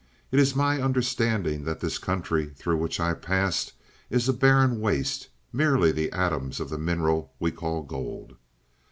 It is my understanding that this country through which I passed is a barren waste merely the atoms of the mineral we call gold.